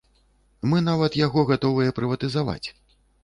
Мы нават яго гатовыя прыватызаваць.